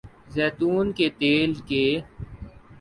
زیتون کے تیل کے